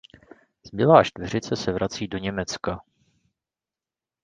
Zbylá čtveřice se vrací do Německa.